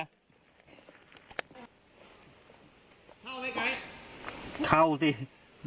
เข้าไหมไกด์